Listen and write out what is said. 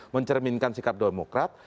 mencerminkan sikap demokrat